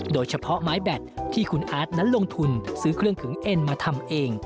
โดยเฉพาะไม้แบตที่คุณอาร์ตนั้นลงทุนซื้อเครื่องขึงเอ็นมาทำเอง